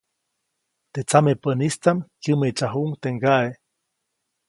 Teʼ tsamepäʼnistaʼm kyämeʼtsajuʼuŋ teʼ ŋgaʼe.